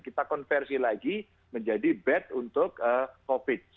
kita konversi lagi menjadi bed untuk covid